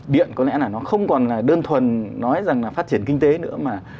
điện có lẽ là nó không còn là đơn thuần nói rằng là phát triển kinh tế nữa mà